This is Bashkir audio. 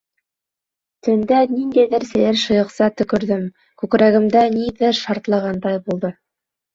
Төндә ниндәйҙер сәйер шыйыҡса төкөрҙөм, күкрәгемдә ниҙер шартлағандай булды.